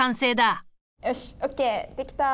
よしＯＫできた。